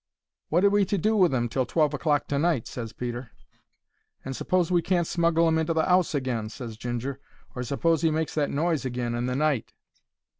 "Wot are we to do with 'im till twelve o'clock to night?" ses Peter. "And s'pose we can't smuggle 'im into the 'ouse agin?" ses Ginger. "Or suppose he makes that noise agin in the night?"